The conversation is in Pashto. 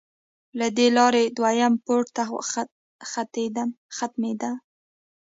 له دې لارې دویم پوړ ته ختمېدې.